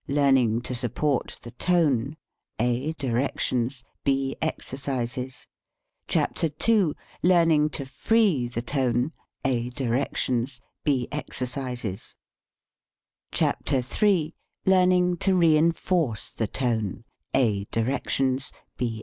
LEARNING TO SUPPORT THE TONE a. DIRECTIONS b. EXERCISES CHAPTER II. LEARNING TO FREE THE TONE a. DIRECTIONS b. EXERCISES vii PLAN OF THE BOOK CHAPTER III. LEARNING TO RE ENFORCE THE TONE a. DIRECTIONS 6.